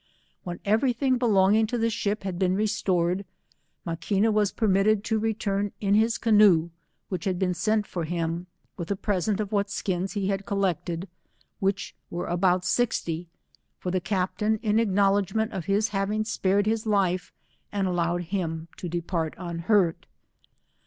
When every thing belonging fo the ship had been restored, Maquioa was permitted to rettirn in his canoe, which had been sent for him, with a present of what skins he had collected, which were about sixty, for the captain, in acknowledge ment of his having spared his life, and allowed bim to depart uniiurt.